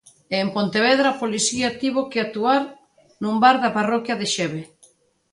E, en Pontevedra, a policía tivo que actuar nun bar da parroquia de Xeve.